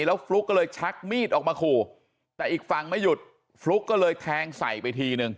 แล้วฟลุ๊กก็เลยชักมีดออกมาขู่แต่อีกฝั่งไม่หยุดฟลุ๊กก็เลยแทงใส่ไปทีนึง